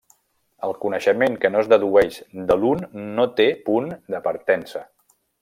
El coneixement que no es dedueix de l'un no té punt de partença.